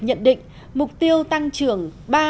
nhận định mục tiêu tăng trưởng